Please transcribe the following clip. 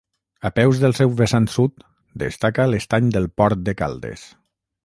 A peus del seu vessant sud descansa l'Estany del Port de Caldes.